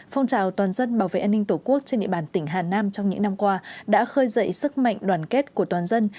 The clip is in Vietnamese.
phong trào toàn dân bảo vệ an ninh tổ quốc trên địa bàn tỉnh hà nam trong những năm qua đã khơi dậy sức mạnh đoàn kết của toàn dân